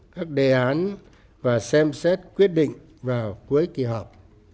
các đề án và xem xét quyết định vào cuối kỳ họp